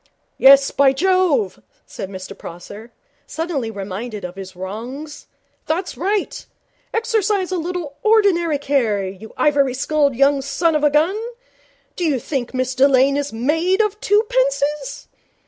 'Yes, by Jove,' said Mr Prosser, suddenly reminded of his wrongs, 'that's right. Exercise a little ordinary care, you ivory skulled young son of a gun. Do you think Miss Delane is made of twopences?